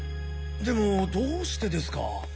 でもどうしてですか？